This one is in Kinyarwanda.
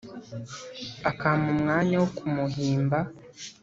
Akampa umwanya wo kumuhimba,